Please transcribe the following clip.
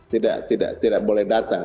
tidak boleh datang